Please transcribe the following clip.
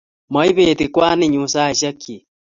Maibeti kwaninyu saishek chiik